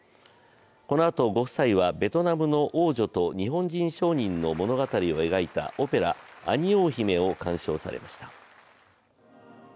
このあと、ご夫妻はベトナムの王女と日本人商人の物語を描いたオペラ「アニオー姫」を鑑賞されました。